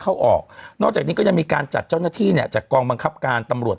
เข้าออกนอกจากนี้ก็ยังมีการจัดเจ้าหน้าที่เนี่ยจากกองบังคับการตำรวจ